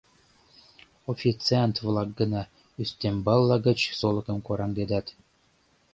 Официант-влак гына ӱстембалла гыч солыкым кораҥдедат.